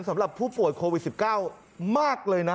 สำหรับผู้ป่วยโควิด๑๙มากเลยนะ